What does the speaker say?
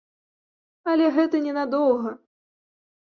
Але гэта не надоўга.